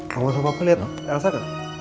kamu sama aku liat elsa kan